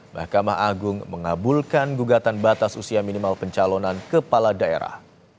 mahkamah agung mengabulkan gugatan batas usia minimal pencalonan kepala daerah